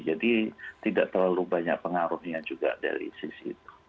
jadi tidak terlalu banyak pengaruhnya juga dari sisi itu